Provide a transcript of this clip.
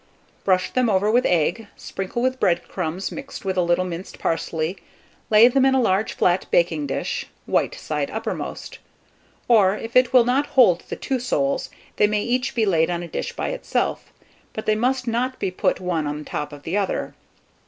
Brush them over with egg, sprinkle with bread crumbs mixed with a little minced parsley, lay them in a large flat baking dish, white side uppermost; or if it will not hold the two soles, they may each be laid on a dish by itself; but they must not be put one on the top of the other.